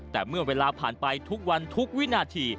แต่เมื่อเวลาผ่านไปทุกวันทุกวินาที